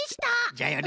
じゃよね！